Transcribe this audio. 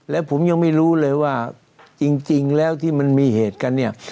และผมยังไม่รู้เลยว่าจริงแล้วที่มันมีเหตุกันเนี่ย